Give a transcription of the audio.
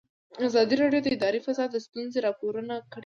ازادي راډیو د اداري فساد ستونزې راپور کړي.